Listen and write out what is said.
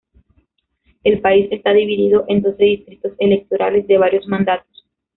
El país está dividido en doce distritos electorales de varios mandatos.